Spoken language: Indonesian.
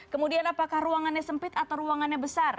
kemudian apakah ruangannya sempit atau ruangannya besar